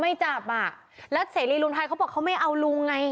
ไม่จับอ่ะแล้วเสรีรวมไทยเขาบอกเขาไม่เอาลุงไง